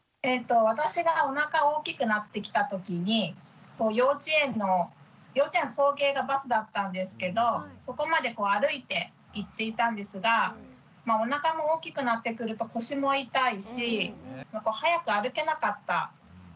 私がおなか大きくなってきたときに幼稚園の送迎がバスだったんですけどそこまで歩いて行っていたんですがおなかも大きくなってくると腰も痛いし早く歩けなかったんですけど。